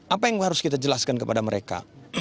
apa yang harus kita jelaskan kepada mereka